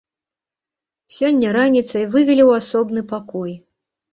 Сёння раніцай вывелі ў асобны пакой.